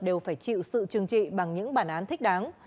đều phải chịu sự trừng trị bằng những bản án thích đáng